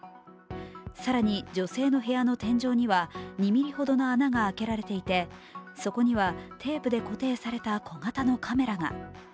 更に、女性の部屋の天井には、２ｍｍほどの穴が開けられていて、そこにはテープで固定された小型のカメラが。